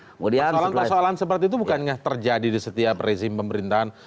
persoalan persoalan seperti itu bukan terjadi di setiap rezim pemerintahan